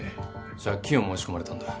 借金を申し込まれたんだ。